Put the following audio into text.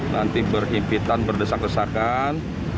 nanti berimpitan berdesak desakan